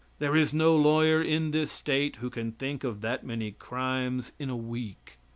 There is no lawyer in this State who can think of that many crimes in a week.